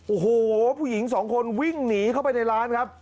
โอ้โหผู้หญิงสองคนวิ่งหนีเข้าไปในร้านครับ